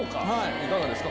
いかがですか？